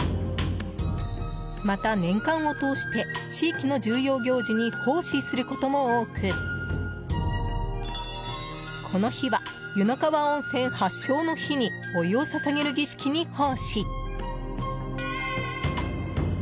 また、年間を通して、地域の重要行事に奉仕することも多くこの日は、湯の川温泉発祥の碑にお湯を捧げる儀式に奉仕。